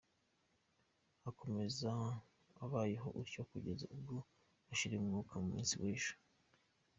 Akomeza abayeho atyo kugeza ubwo washiriyemo umwuka ku musi w’ejo.